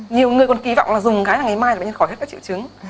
nhiều người còn kỳ vọng là dùng cái là ngày mai là bệnh nhân khỏi hết các triệu chứng